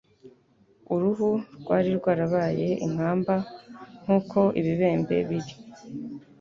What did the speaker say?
Uruhu rwari rwarabaye inkamba nk'uko ibibembe biri,